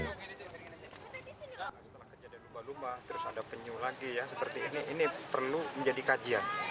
setelah kejadian lumba lumba terus ada penyu lagi ya seperti ini ini perlu menjadi kajian